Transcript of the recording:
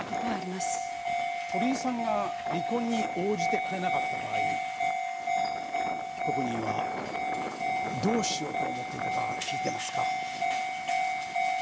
鳥居さんが離婚に応じてくれなかった場合被告人はどうしようと思っていたか聞いてますか？